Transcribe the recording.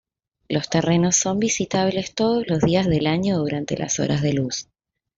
Los terrenos son visitables todos los días del año durante las horas de luz.